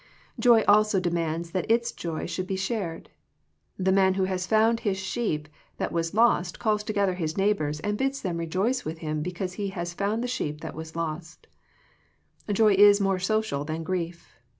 Joy also demands that its joy should b% shared. The man who has found his sheep that was lost calls together his neighbors, and bids them rejoice with him because he has found the sheep that was lost Joy is more social than grief.